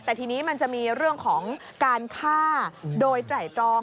แต่ทีนี้มันจะมีเรื่องของการฆ่าโดยไตรตรอง